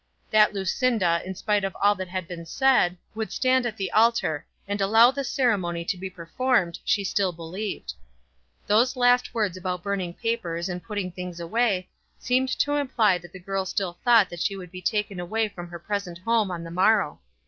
That Lucinda, in spite of all that had been said, would stand at the altar, and allow the ceremony to be performed, she still believed. Those last words about burning papers and putting things away, seemed to imply that the girl still thought that she would be taken away from her present home on the morrow.